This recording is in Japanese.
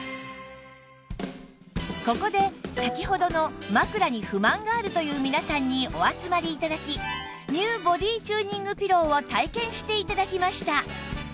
ここで先ほどの枕に不満があるという皆さんにお集まり頂きＮＥＷ ボディチューニングピローを体験して頂きました